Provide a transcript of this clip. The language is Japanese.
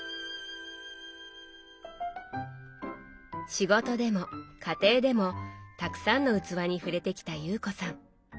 仕事でも家庭でもたくさんの器に触れてきた有子さん。